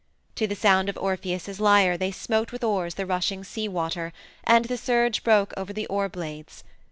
To the sound of Orpheus's lyre they smote with oars the rushing sea water, and the surge broke over the oar blades.